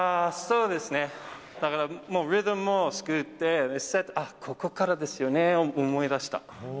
そうですね、だから、もうリズムを作って、あっ、ここからですよね、思い出した。